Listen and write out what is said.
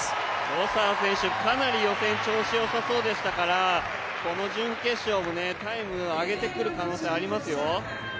ロサー選手、かなり予選調子よさそうでしたからこの準決勝もタイムあげてくる可能性ありますよ。